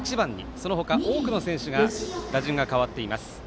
そのほか、多くの選手が打順が変わっています。